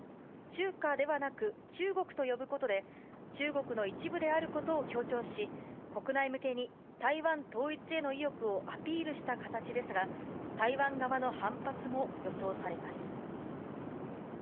中華ではなく、中国と呼ぶことで、中国の一部であることを強調し、国内向けに台湾統一への意欲をアピールした形ですが、台湾側の反発も予想されます。